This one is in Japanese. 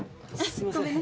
すいません。